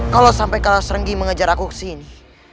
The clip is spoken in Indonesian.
kalau sampai kalah seringgi mengejar aku kesini